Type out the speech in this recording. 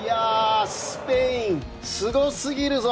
スペイン、すごすぎるぞ！